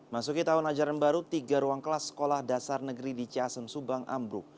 masuki tahun ajaran baru tiga ruang kelas sekolah dasar negeri di ciasem subang ambruk